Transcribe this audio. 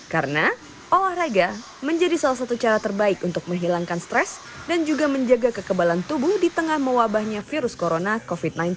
karena olahraga menjadi salah satu cara terbaik untuk menghilangkan stres dan juga menjaga kekebalan tubuh di tengah mewabahnya virus corona covid sembilan belas